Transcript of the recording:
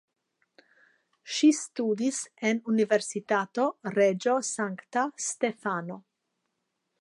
Ŝi studis en Universitato Reĝo Sankta Stefano.